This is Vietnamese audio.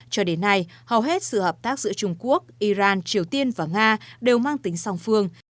cho đến nay hầu hết sự hợp tác giữa trung quốc iran triều tiên và nga đều mang tính song phương